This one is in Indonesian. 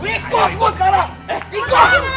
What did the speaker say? ikut gua sekarang